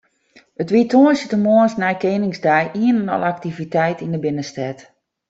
It wie de tongersdeitemoarns nei Keningsdei ien en al aktiviteit yn de binnenstêd.